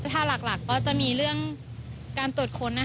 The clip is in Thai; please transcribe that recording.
ถ้าหลักก็จะมีเรื่องการตรวจค้น